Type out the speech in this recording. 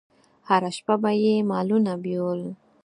هره شپه به یې مالونه بېول.